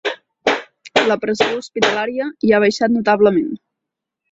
La pressió hospitalària hi ha baixat notablement.